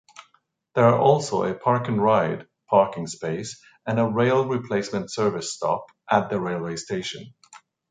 There are also a park&ride parking space and a rail replacement service stop at the railway station.